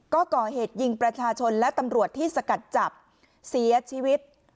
ก็ก่อเหตุยิงประชาชนและตำรวจที่สกัดจับเสียชีวิต